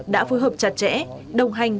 đã phối hợp chặt chẽ đồng hành